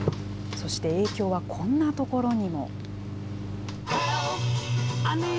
そして影響はこんなところにも。